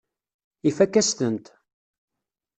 Ifakk-as-tent.